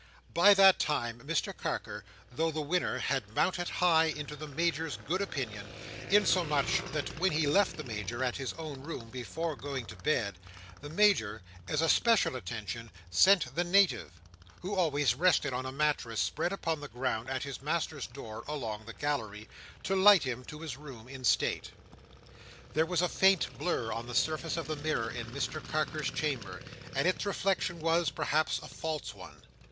By that time, Mr Carker, though the winner, had mounted high into the Major's good opinion, insomuch that when he left the Major at his own room before going to bed, the Major as a special attention, sent the Native—who always rested on a mattress spread upon the ground at his master's door—along the gallery, to light him to his room in state. There was a faint blur on the surface of the mirror in Mr Carker's chamber, and its reflection was, perhaps, a false one.